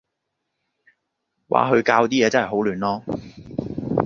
嘩，佢校啲嘢真係好亂囉